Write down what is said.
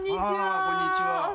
こんにちは。